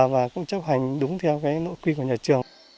và cũng chấp hành đúng theo nội quy của nhà trường